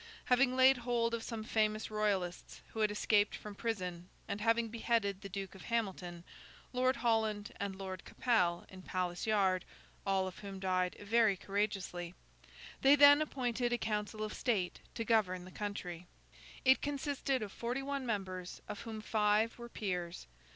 Having laid hold of some famous Royalists who had escaped from prison, and having beheaded the Duke Of Hamilton, Lord Holland, and Lord Capel, in Palace Yard (all of whom died very courageously), they then appointed a Council of State to govern the country. It consisted of forty one members, of whom five were peers.